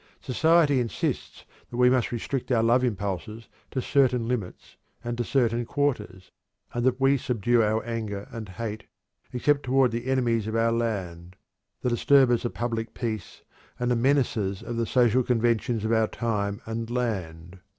Society insists that we must restrict our love impulses to certain limits and to certain quarters, and that we subdue our anger and hate, except toward the enemies of our land, the disturbers of public peace, and the menacers of the social conventions of our time and land.